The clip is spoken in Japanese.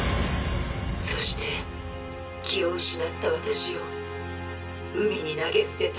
そして気を失った私を海に投げ捨てた。